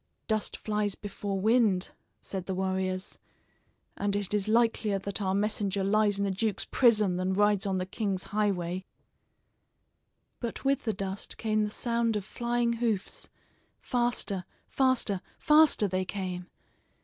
"Dust flies before wind," said the warriors, "and it is likelier that our messenger lies in the duke's prison than rides on the king's highway." But with the dust came the sound of flying hoofs. Faster, faster, faster, they came.